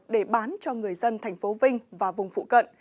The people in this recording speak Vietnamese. để bán cho người dân thành phố vinh và vùng phụ cận